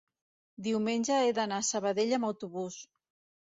diumenge he d'anar a Sabadell amb autobús.